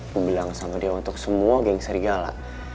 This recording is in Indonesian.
aku bilang sama dia untuk semua geng serigala